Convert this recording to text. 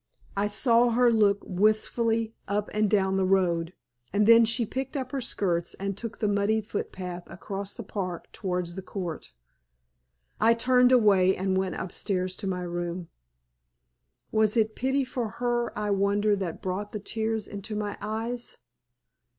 I saw her look wistfully up and down the road, and then she picked up her skirts and took the muddy footpath across the park towards the Court. I turned away and went upstairs to my room. Was it pity for her I wonder that brought the tears into my eyes?